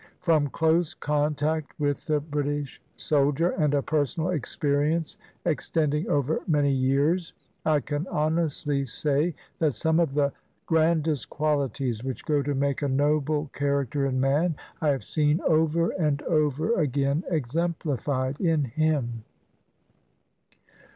From close contact with the Brit ish soldier, and a personal experience extending over many years, I can honestly say that some of the grand est qualities which go to make a noble character in man, I have seen over and over again exemplified in him.